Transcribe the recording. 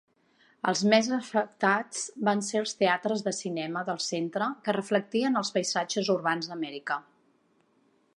Els més afectats van ser els teatres de cinema del centre que reflectien els paisatges urbans d'Amèrica.